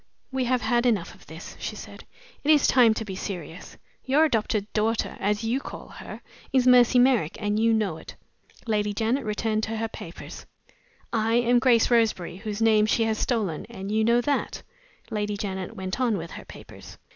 "We have had enough of this," she said. "It is time to be serious. Your adopted daughter (as you call her) is Mercy Merrick, and you know it." Lady Janet returned to her papers. "I am Grace Roseberry, whose name she has stolen, and you know that." Lady Janet went on with her papers.